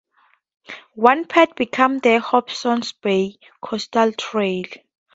One path becomes the Hobsons Bay Coastal Trail.